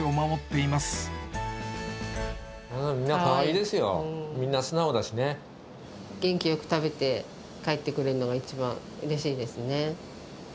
みんなかわいいですよ、元気よく食べて、帰ってくれるのが一番うれしいですね。